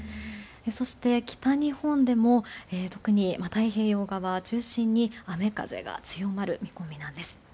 そして、北日本でも特に太平洋側中心に雨風が強まる見込みなんです。